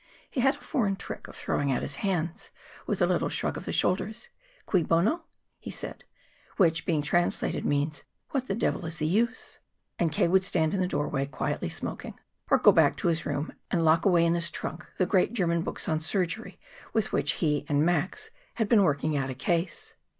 He had a foreign trick of throwing out his hands, with a little shrug of the shoulders. "Cui bono?" he said which, being translated, means: "What the devil's the use!" And K. would stand in the doorway, quietly smoking, or go back to his room and lock away in his trunk the great German books on surgery with which he and Max had been working out a case.